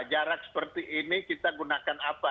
jarak seperti ini kita gunakan apa